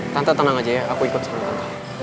tante tenang aja ya aku ikut sama tante